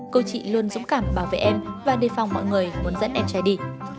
cô chị luôn dũng cảm bảo vệ em và đề phòng mọi người muốn dẫn em trai đi